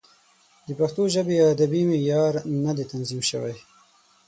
د پښتو ژبې ادبي معیار نه دی تنظیم شوی.